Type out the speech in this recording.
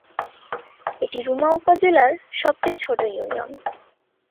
এটি রুমা উপজেলার সবচেয়ে ছোট ইউনিয়ন।